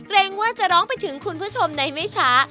ว่าจะร้องไปถึงคุณผู้ชมในไม่ช้า